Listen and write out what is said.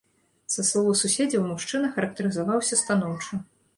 Са словаў суседзяў, мужчына характарызаваўся станоўча.